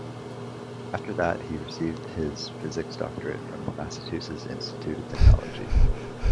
After that he received his physics doctorate from the Massachusetts Institute of Technology.